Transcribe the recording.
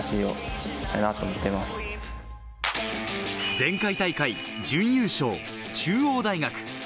前回大会準優勝、中央大学。